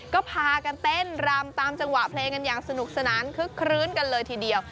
ก็พากันเต้นรำตามจังหวะเพลงกันอย่างสนุกสนานคึกคลื้นกันเลยทีเดียว